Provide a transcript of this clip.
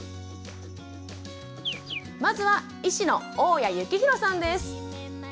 まずは医師の大矢幸弘さんです。